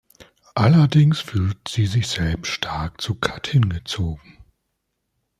Allerdings fühlt sie sich selbst stark zu Kat hingezogen.